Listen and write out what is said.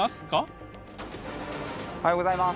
おはようございます。